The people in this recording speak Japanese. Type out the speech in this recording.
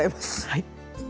はい。